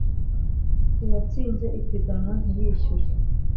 uwatsinze ipiganwa ntiyishyure